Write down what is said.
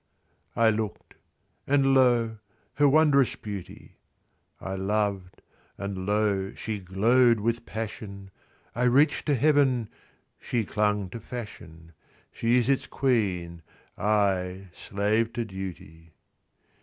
I looked ; and lo, her wondrous beauty ! I loved ; and lo, she glowed with passion ! I reached to heaven ; she clung to fashion ; She is its queen ; I, slave to duty.